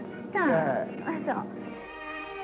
あそう。